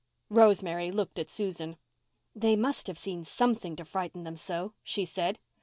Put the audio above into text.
_" Rosemary looked at Susan. "They must have seen something to frighten them so," she said.